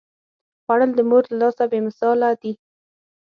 خوړل د مور له لاسه بې مثاله دي